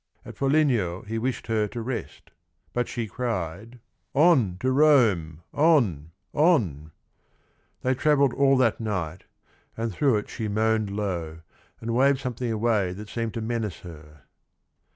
At Fo ligno he wished her to rest but she cried: "On t o Rome, on, on ! They travelled all that night, and through it she moaned low, and waved something away that seemed to menace her.